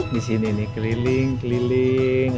di sini nih keliling keliling